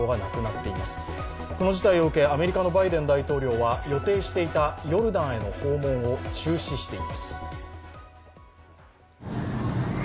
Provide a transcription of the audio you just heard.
アメリカのバイデン大統領は予定していたヨルダンへの訪問を中止しています。